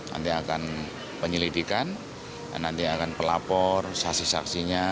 nanti akan penyelidikan nanti akan pelapor saksi saksinya